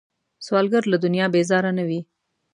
سوالګر له دنیا بیزاره نه وي